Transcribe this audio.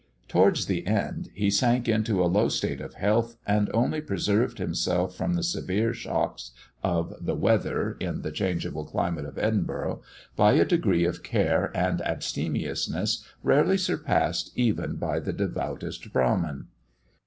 Towards the end, he sank into a low state of health, and only preserved himself from the severe shocks of the weather in the changeable climate of Edinburgh, by a degree of care and abstemiousness rarely surpassed even by the devoutest Brahmin.